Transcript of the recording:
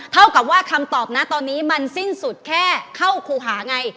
เท่ากับว่าคำตอบนะตอนนี้มันสิ้นสุดแค่เข้าครูหาไง